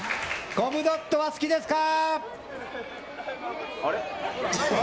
コムドット、好きですか？